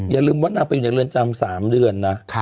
อย่าลืมว่านางไปอยู่ในเรือนจำ๓เดือนนะ